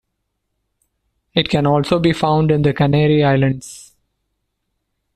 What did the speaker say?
It can also be found in the Canary Islands.